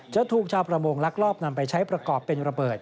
จะถูกชาวประมงลักลอบนำไปใช้ประกอบเป็นระเบิด